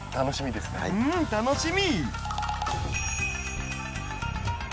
うん楽しみ！